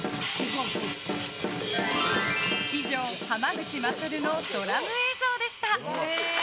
以上、濱口優のドラム映像でした。